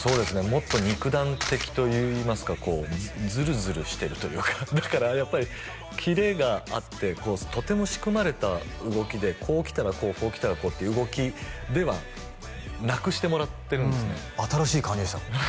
もっと肉弾的といいますかずるずるしてるというかだからやっぱりキレがあってとても仕組まれた動きでこうきたらこうこうきたらこうって動きではなくしてもらってるんですね新しい感じでした